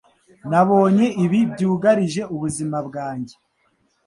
Nabonye ibi byugarije ubuzima bwanjye.